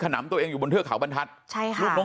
นำตัวเองอยู่บนเทือขาวบรรทัศน์